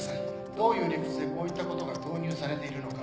どういう理屈でこういったことが導入されているのか。